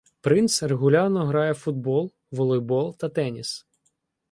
Принц регулярно грає в футбол, волейбол та теніс.